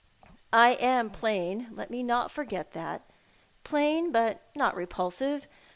I am plain, let me not forget that — plain, but not repulsive.